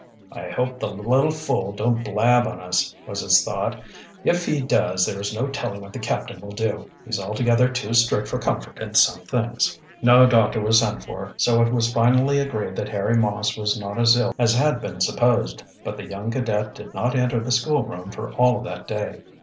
"I hope the little fool don't blab on us," was his thought. "If he does there is no telling what the captain will do. He's altogether too strict for comfort in some things." No doctor was sent for, so it was finally agreed that Harry Moss was not as ill as had been supposed. But the young cadet did not enter the schoolroom for all of that day.